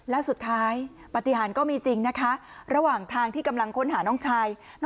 และสุดท้ายปฏิหารก็มีจริงนะคะระหว่างทางที่กำลังค้นหาน้องชาย